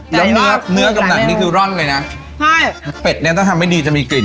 แล้วเนื้อเนื้อกำหนักนี้คือร่อนเลยนะใช่เป็ดเนี้ยถ้าทำไม่ดีจะมีกลิ่น